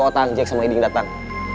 itu otan jack sama edi ngedatang